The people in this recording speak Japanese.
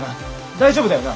大丈夫だよな？